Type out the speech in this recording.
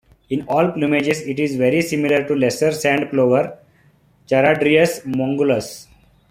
In all plumages, it is very similar to lesser sand plover, "Charadrius mongolus".